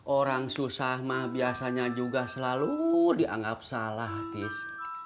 orang susah mah biasanya juga selalu dianggap salah tis